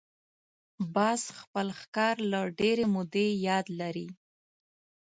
باز خپل ښکار له ډېرې مودې یاد لري